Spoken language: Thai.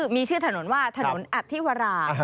มีชื่อถนนว่าถนนอธิวรา